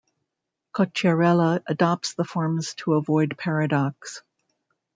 Cocchiarella adopts the forms to avoid paradox.